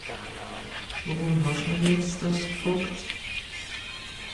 Worùm hesch mich jetz dìss gfröjt ?